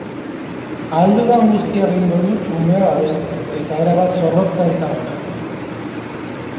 Ahal dudan guztia egingo dut umea babesteko, eta erabat zorrotza izango naiz.